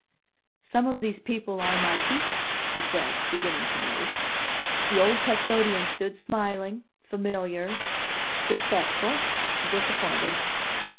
"Some of these people are my people," he said, beginning to move. The old custodian stood smiling, familiar, respectful, disappointed.